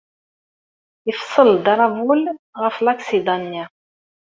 Ifeṣṣel-d arabul ɣef laksida-nni.